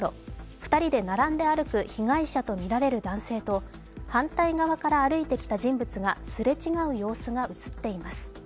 ２人で並んで歩く被害者とみられる男性と反対側から歩いてきた人物がすれ違う様子が映っています。